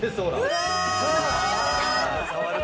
うわ！